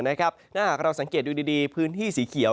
ถ้าหากเราสังเกตดูดีพื้นที่สีเขียว